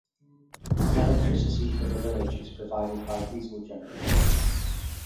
Electricity for the village is provided by diesel generators.